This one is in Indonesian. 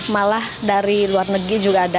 malah dari luar negeri juga ada